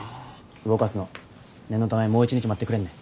動かすの念のためもう一日待ってくれんね。